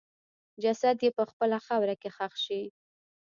جسد یې په خپله خاوره کې ښخ شي.